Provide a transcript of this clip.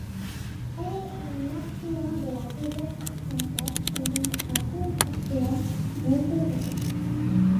Elle est un affluent de la rivière Arkansas et donc un sous-affluent du Mississippi.